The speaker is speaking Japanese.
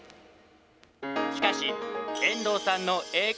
しかし、遠藤さんのええ